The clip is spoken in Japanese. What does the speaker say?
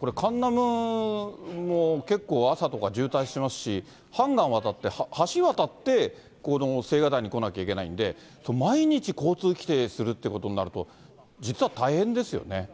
これ、カンナムも結構朝とか渋滞してますし、ハンガンは橋渡ってこの青瓦台に来なきゃいけないんで、毎日交通規制するということになると、実は大変ですよね。